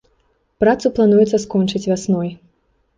Працу плануецца скончыць вясной.